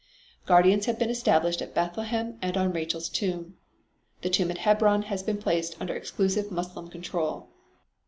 Guardians have been established at Bethlehem and on Rachel's Tomb. The tomb at Hebron has been placed under exclusive Moslem control.